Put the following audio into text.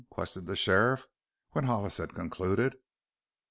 questioned the sheriff when Hollis had concluded.